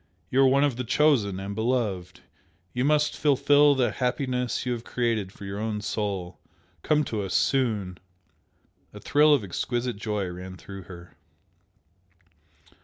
You are one of the Chosen and Beloved! You must fulfil the happiness you have created for your own soul! Come to us soon!" A thrill of exquisite joy ran through her.